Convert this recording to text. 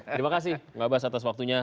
terima kasih mengabas atas waktunya